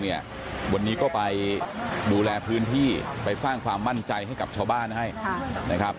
วันนี้ก็ไปดูแลพื้นที่ไปสร้างความมั่นใจให้กับชาวบ้านให้นะครับ